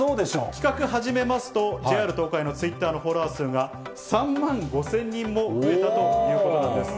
企画始めますと、ＪＲ東海のツイッターのフォロワー数が３万５０００人も増えたということなんです。